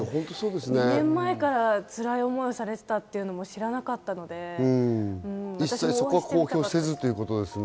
２年前からつらい思いをされていたというのも知らなかったので、私もお会いしてみたかった。